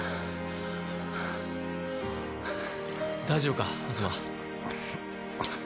大丈夫だ。